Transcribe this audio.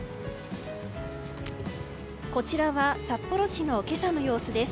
こちらは札幌市の今朝の様子です。